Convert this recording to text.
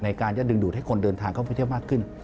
การจะดึงดูดให้คนเดินทางเข้าไปเที่ยวมากขึ้น